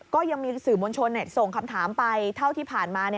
ก็ยังมีสื่อมวลชนส่งคำถามไปเท่าที่ผ่านมา